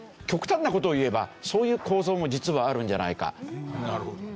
極端な事をいえばそういう構造も実はあるんじゃないか。